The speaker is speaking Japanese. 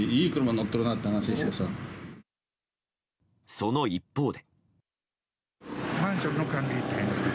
その一方で。